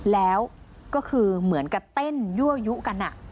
แล้วก็คือเหมือนกับเต้นยั่วยุกัน